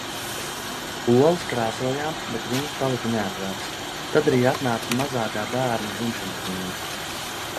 Olas krāsojām, bet vīns palika neatvērts. Tad arī atnāca mazākā bērna dzimšanas diena.